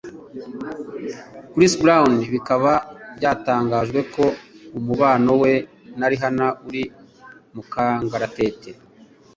Chris brown bikaba byatangajwe ko umubano we na Rihana uri mukangaratete